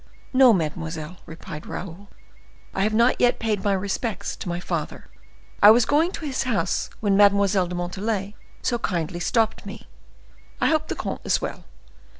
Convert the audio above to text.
"No, mademoiselle," replied Raoul, "I have not let paid my respects to my father; I was going to his house when Mademoiselle de Montalais so kindly stopped me. I hope the comte is well.